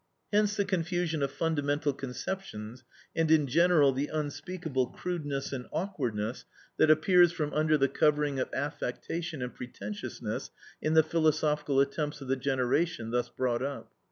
Hence the confusion of fundamental conceptions, and in general the unspeakable crudeness and awkwardness that appears from under the covering of affectation and pretentiousness in the philosophical attempts of the generation thus brought up.